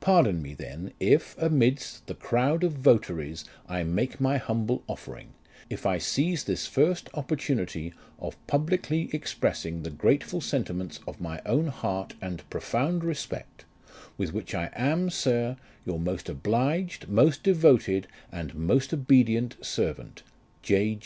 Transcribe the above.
Pardon me then, if, amidst the crowd of votaries, I make my humble offering, if I seize this first oppor tunity of publicly expressing the grateful sentiments of my own heart and profound respect, with which I am, Sir, your most obliged, most devoted, and most obedient servant, " J.